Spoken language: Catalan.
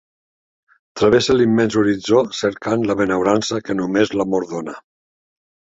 Travesse l'immens horitzó cercant la benaurança que només l'amor dona.